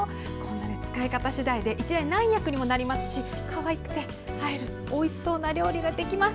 使い方次第で１台何役にもなりますしかわいくて映えるおいしそうな料理ができます。